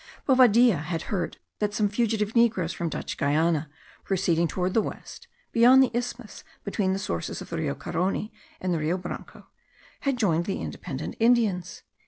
Bovadilla had heard that some fugitive negroes from Dutch Guiana, proceeding towards the west (beyond the isthmus between the sources of the Rio Carony and the Rio Branco) had joined the independent Indians.